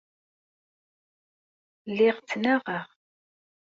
Lliɣ ttnaɣeɣ.